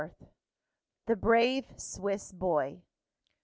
] THE BRAVE SWISS BOY.